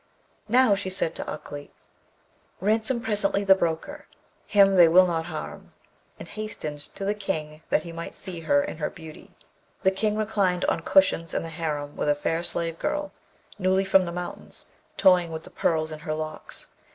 Now, she said to Ukleet, 'Ransom presently the broker, him they will not harm,' and hastened to the King that he might see her in her beauty. The King reclined on cushions in the harem with a fair slave girl, newly from the mountains, toying with the pearls in her locks.